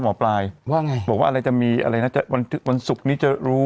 หมอปลายว่าไงบอกว่าอะไรจะมีอะไรนะจะวันศุกร์นี้จะรู้